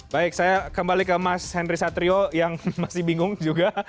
baik saya kembali ke mas henry satrio yang masih bingung juga